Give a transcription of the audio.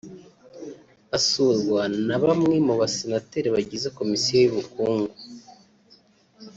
Asurwa na bamwe mu basenateri bagize komisiyo y’ubukungu